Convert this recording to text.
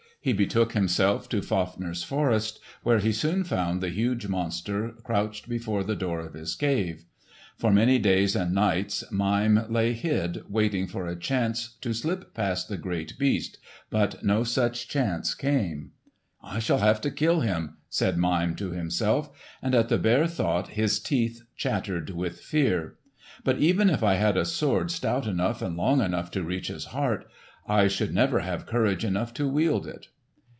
He betook himself to Fafner's forest, where he soon found the huge monster crouched before the door of his cave. For many days and nights Mime lay hid, waiting for a chance to slip past the great beast, but no such chance came. "I shall have to kill him," said Mime to himself. And at the bare thought his teeth chattered with fear. "But even if I had a sword stout enough and long enough to reach his heart, I should never have courage enough to wield it."